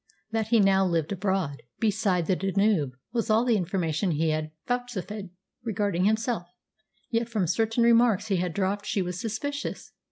That he now lived abroad "beside the Danube" was all the information he had vouchsafed regarding himself, yet from certain remarks he had dropped she was suspicious.